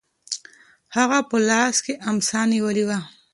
هغه په لاس کې امسا نیولې وه.